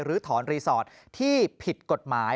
หรือถอนรีสอร์ทที่ผิดกฎหมาย